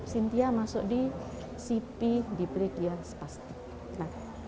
sintia masuk di cp diplegia spastik